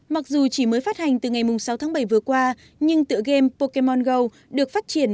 mặc dù chỉ mới phát hành từ ngày sáu tháng bảy vừa qua nhưng tựa game pokemon go được phát triển